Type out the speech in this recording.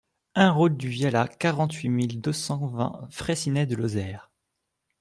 un route du Viala, quarante-huit mille deux cent vingt Fraissinet-de-Lozère